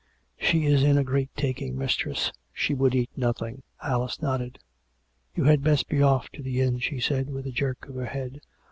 " She is in a great taking, mistress. She would eat nothing, they said." Alice nodded. " You had best be off to the inn," she said, with a jerk of her head.